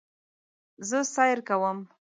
زه سیر کوم